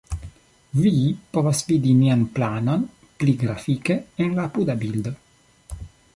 Vi povas vidi nian planon pli grafike en la apuda bildo.